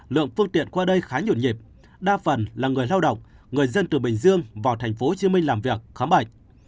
lượng phương tiện qua đây khá nhộn nhịp đa phần là người lao động người dân từ bình dương vào tp hcm làm việc khám bệnh